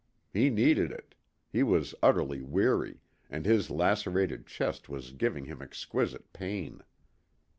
He needed it. He was utterly weary, and his lacerated chest was giving him exquisite pain.